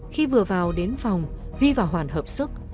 khi vừa vào đến phòng huy và hoàn hợp sức